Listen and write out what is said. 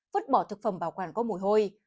phất bỏ thực phẩm bảo quản có mùi hôi